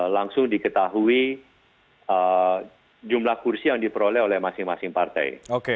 langsung diketahui jumlah kursi yang diperoleh oleh masing masing partai